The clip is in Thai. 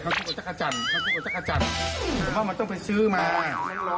กินได้อยู่ตอนนี้กินเร็วดีตอนนี้เน่าแล้ว